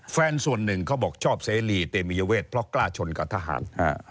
แฟนส่วนหนึ่งเขาบอกชอบเสรีเตมียเวทเพราะกล้าชนกับทหาร